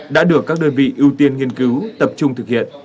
đã được các đơn vị ưu tiên nghiên cứu tập trung thực hiện